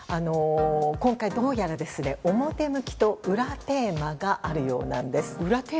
今回どうやら表向きと裏テーマがあるようです。